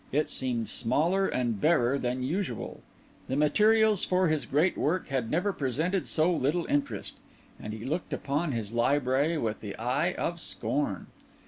It seemed smaller and barer than usual; the materials for his great work had never presented so little interest; and he looked upon his library with the eye of scorn.